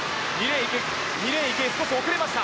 ２レーン、池江少し遅れました。